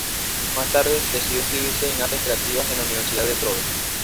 Más tarde decidió inscribirse en Artes creativas en la Universidad de la Trobe.